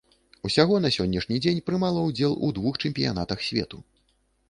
Усяго на сённяшні дзень прымала ўдзел у двух чэмпіянатах свету.